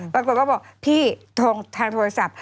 ปรากฏก็บอกพี่โทรทางโทรศัพท์